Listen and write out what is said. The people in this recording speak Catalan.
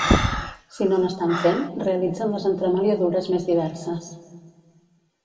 Si no n'estan fent, realitzen les entremaliadures més diverses.